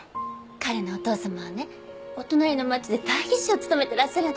彼のお父様はねお隣の町で代議士を務めてらっしゃるんですって。